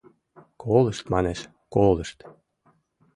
Колышт, манеш, колышт.